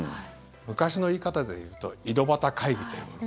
昔の言い方で言うと井戸端会議というもの。